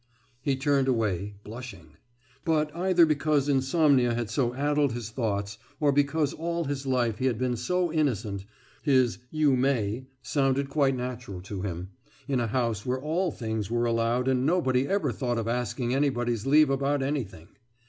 « He turned away, blushing. But, either because insomnia had so addled his thoughts, or because all his life he had been so innocent, his »you may« sounded quite natural to him ... in a house where all things were allowed and nobody ever thought of asking anybody's leave about anything.